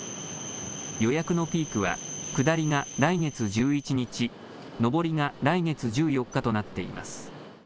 予約のピークは下りが来月１１日、上りが来月１４日となっています。